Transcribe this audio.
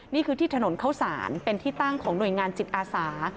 นี่คือที่ถนนเข้าสารเป็นที่ตั้งของหน่วยงานจิตอาสา